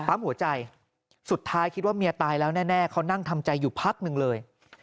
หัวใจสุดท้ายคิดว่าเมียตายแล้วแน่เขานั่งทำใจอยู่พักหนึ่งเลย